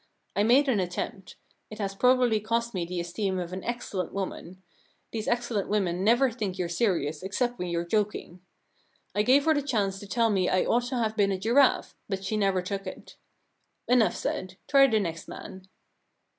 I made an attempt. It has probably cost me the esteem of an excellent woman ; these excel lent women never think you're serious except when you're joking. I gave her the chance to tell me I ought to have been a giraffe, but she never took it. Enough said. Try the next man.'